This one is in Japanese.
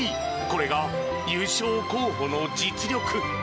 これが優勝候補の実力。